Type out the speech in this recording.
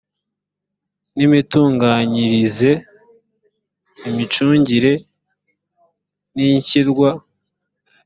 n imitunganyirize imicungire n ishyirwa